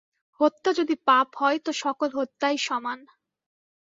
হত্যা যদি পাপ হয় তো সকল হত্যাই সমান।